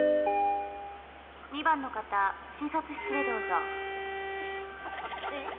２番の方診察室へどうぞ。